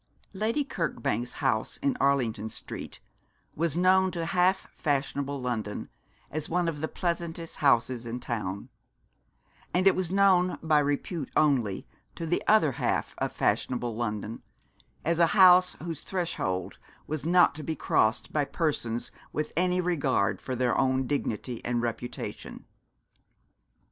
Lady Kirkbank's house in Arlington Street was known to half fashionable London as one of the pleasantest houses in town; and it was known by repute only, to the other half of fashionable London, as a house whose threshold was not to be crossed by persons with any regard for their own dignity and reputation.